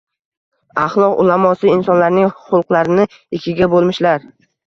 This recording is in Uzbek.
Axloq ulamosi insonlarning xulqlarini ikkiga bo’lmishlar